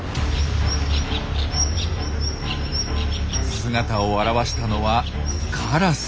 姿を現したのはカラス。